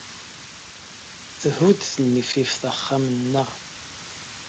Thudd tnifift axxam-nneɣ.